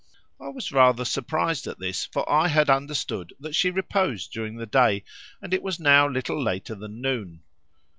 I was rather surprised at this, for I had understood that she reposed during the day, and it was now little later than noon.